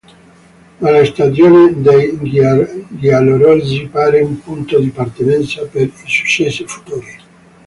Ma la stagione dei giallorossi pare un punto di partenza per i successi futuri.